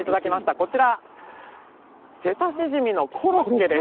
こちらはセタシジミのコロッケです。